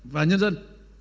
và nhân dân